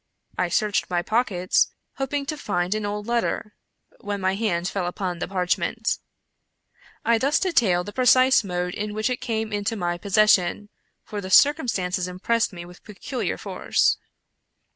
I searched my pockets, hoping to find an old letter, when my hand fell upon the parchment. I thus detail the precise mode in which it came into my pos session, for the circumstances impressed me with pecuHar force.